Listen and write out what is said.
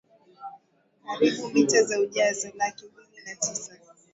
karibu mita za ujazo laki mbili na tisa